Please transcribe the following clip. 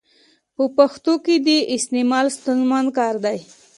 په پښتو کي د ي استعمال ستونزمن کار دی.